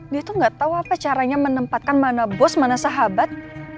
dia tuh gak tahu apa caranya menempatkan mana bos mana sahabat